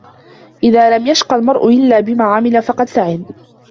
إذَا لَمْ يَشْقَ الْمَرْءُ إلَّا بِمَا عَمِلَ فَقَدْ سَعِدَ